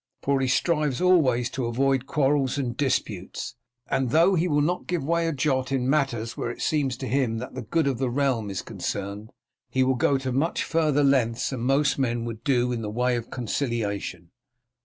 For he strives always to avoid quarrels and disputes, and though he will not give way a jot in matters where it seems to him that the good of the realm is concerned, he will go much farther lengths than most men would do in the way of conciliation.